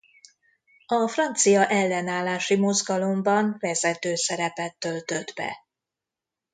A Francia Ellenállási Mozgalomban vezető szerepet töltött be.